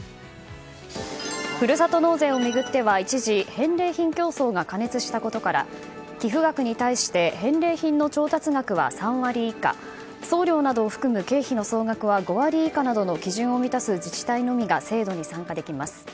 ふるさと納税を巡っては一時、返礼品競争が過熱したことから寄付額に対して返礼品の調達額は３割以下送料などを含む経費の総額は５割以下などの基準を満たす自治体のみが制度に参加できます。